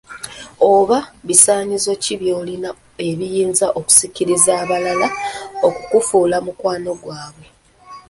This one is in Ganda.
Oba bisaanyizo ki by’olina ebiyinza okusikiriza abalala okukufuula mukwanogwabwe?